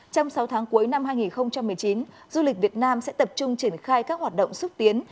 trong sáu tháng cuối năm hai nghìn một mươi chín du lịch việt nam sẽ tập trung triển khai các hoạt động xúc tiến